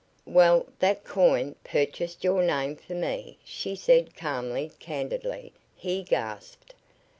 "Well, that coin purchased your name for me," she said, calmly, candidly. He gasped.